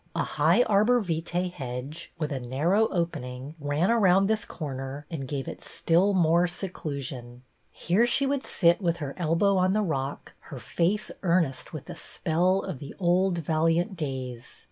A high arbor vitae hedge with a nar row opening ran around this corner and gave it still more seclusion. Here she would sit. 202 BETTY BAIRD with her elbow on the rock, her face earnest with the spell of the old valiant days.